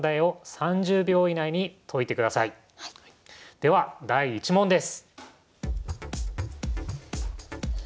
では第１問です。